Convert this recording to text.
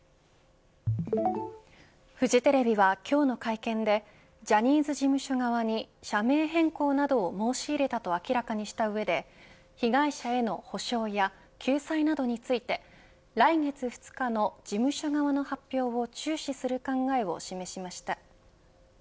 フジテレビは、今日の会見でジャニーズ事務所側に社名変更などを申し入れたと明らかにした上で被害者への補償や救済などについて来月２日の事務所側の発表を中止する考えを示しました。